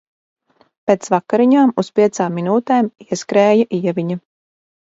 Pēc vakariņām uz piecām minūtēm ieskrēja Ieviņa.